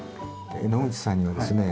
野口さんにはですね